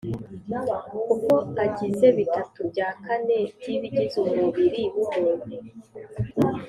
kuko agize bitatu bya kane by’ibigize umubiri w’umuntu,